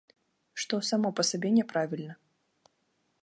Што само па сабе не правільна.